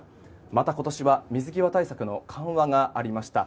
また今年は水際対策の緩和がありました。